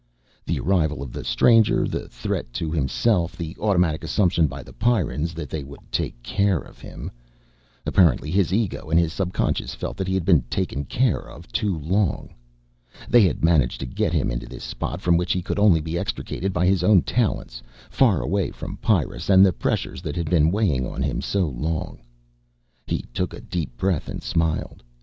The arrival of the stranger, the threat to himself, the automatic assumption by the Pyrrans that they would take care of him. Apparently his ego and his subconscious felt that he had been taken care of too long. They had managed to get him into this spot from which he could only be extricated by his own talents, far away from Pyrrus and the pressures that had been weighing on him so long. He took a deep breath and smiled.